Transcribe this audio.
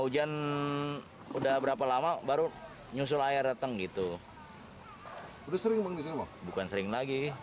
jalan kalau begini sudah terambat semua